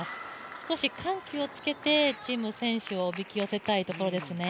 少し緩急を付けて、陳夢選手をおびき寄せたいところですね。